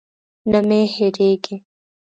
نه مې هېرېږي.